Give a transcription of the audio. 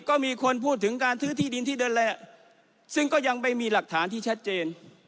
ก็มีคนพูดถึงการซื้อที่ดินที่เดินแหละซึ่งก็ยังไม่มีหลักฐานที่ชัดเจน